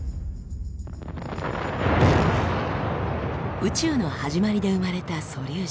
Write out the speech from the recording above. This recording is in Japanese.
宇宙の始まりで生まれた素粒子。